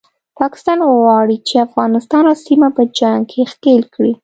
پاکستان غواړي چې افغانستان او سیمه په جنګ کې ښکیل کړي